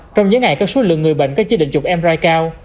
trong những ngày có số lượng người bệnh có chế định chụp mri cao